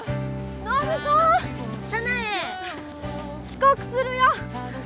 遅刻するよ！